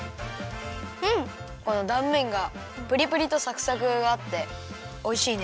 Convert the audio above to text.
このだんめんがプリプリとサクサクがあっておいしいね。